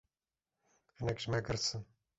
Hinek ji me girs in.